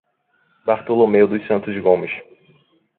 Bartolomeu dos Santos Gomes